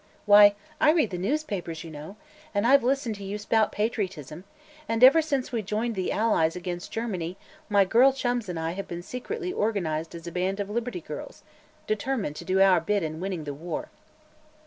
"Why, I read the newspapers, you know, and I've listened to you spout patriotism, and ever since we joined the Allies against Germany, my girl chums and I have been secretly organized as a band of Liberty Girls, determined to do our bit in winning the war.